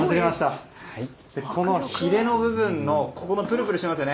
このひれの部分プルプルしていますよね。